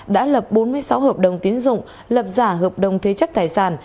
đã lập bốn mươi sáu hợp đồng tín dụng lập giả hợp đồng thuê chấp tài sản